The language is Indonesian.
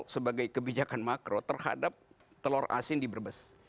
sebagai kebijakan makro terhadap telur asin di brebes